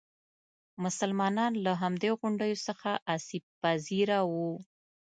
مسلمانان له همدې غونډیو څخه آسیب پذیره وو.